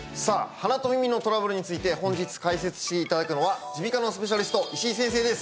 鼻と耳のトラブルについて本日解説していただくのは耳鼻科のスペシャリスト石井先生です